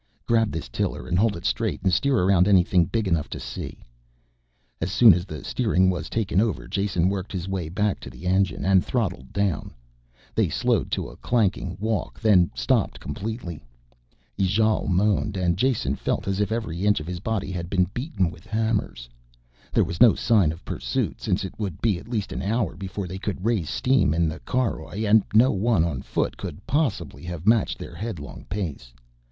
"Grab this tiller and hold it straight and steer around anything big enough to see." As soon as the steering was taken over Jason worked his way back to the engine and throttled down; they slowed to a clanking walk then stopped completely. Ijale moaned and Jason felt as if every inch of his body had been beaten with hammers. There was no sign of pursuit since it would be at least an hour before they could raise steam in the caroj and no one on foot could have possibly matched their headlong pace.